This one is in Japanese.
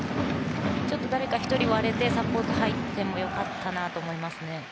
誰か１人、サポート入っても良かったなと思いますね。